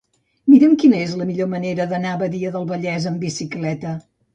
Mira'm quina és la millor manera d'anar a Badia del Vallès amb bicicleta.